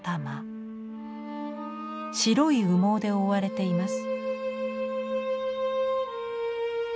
白い羽毛で覆われています。